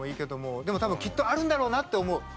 でも、たぶん、きっとあるんだろうなと思う！